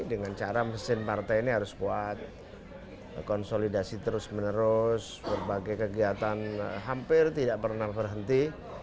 dengan cara mesin partai ini harus kuat konsolidasi terus menerus berbagai kegiatan hampir tidak pernah berhenti